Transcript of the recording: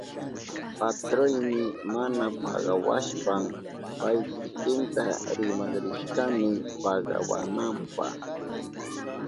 Patroyni mana pagawashpan pay kikinta rimak rishkani pagawananpa.